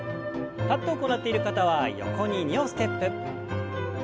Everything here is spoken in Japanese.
立って行っている方は横に２歩ステップ。